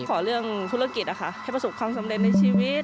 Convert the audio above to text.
ขอเรื่องธุรกิจนะคะให้ประสบความสำเร็จในชีวิต